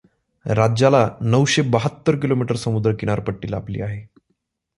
राज्याला नऊशे बहात्तर किलोमीटर समुद्र किनारपट्टी लाभली आहे.